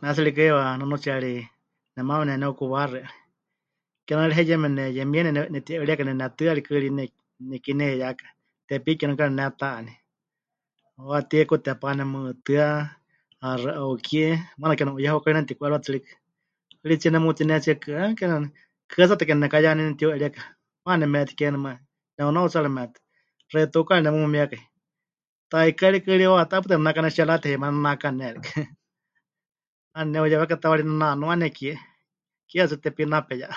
Ne tsɨ rikɨ heiwa nunuutsiyari nemaama neneukuwaxɨa, kename ri heyeme neyemie ne... ne... netiu'erieka ne netɨa rikɨ ri ne... nekie neheiyaka, Tepiki kename waníu neta'aní. Waatíe Kutepá nemutɨ́a, Ha Xɨ'au Kie, maana kename huyé heukayunekai netiku'eriwatɨ tsɨ rikɨ, hɨritsíe nemutinetsie kɨa kena.. kɨatsáta kename nekayaní netiu'eríeka, maana nemetikexɨa nomás ne'unautsarɨmetɨ, xeitukaari nemumiekai, taikái rikɨ ri waatá pɨta nenakane Chalate heimá nenakane rikɨ, 'aana neuyeweka tawaarí nenanua nekie, keewa tsɨ Tepic napeyé'a.